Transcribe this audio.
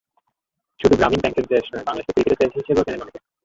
শুধু গ্রামীণ ব্যাংকের দেশ নয়, বাংলাদেশকে ক্রিকেটের দেশ হিসেবেও চেনেন অনেকে।